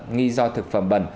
nghi do thực phẩm bẩn